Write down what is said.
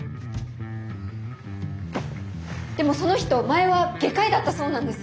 でもその人前は外科医だったそうなんです。